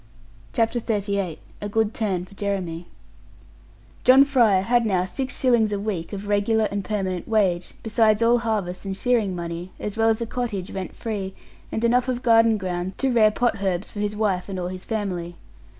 CHAPTER XXXVIII A GOOD TURN FOR JEREMY John Fry had now six shillings a week of regular and permanent wage, besides all harvest and shearing money, as well as a cottage rent free, and enough of garden ground to rear pot herbs for his wife and all his family.